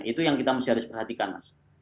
itu yang kita harus perhatikan mas